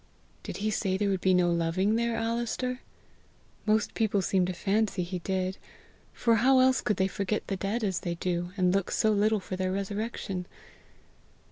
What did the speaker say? "Did he say there would be no loving there, Alister? Most people seem to fancy he did, for how else could they forget the dead as they do, and look so little for their resurrection?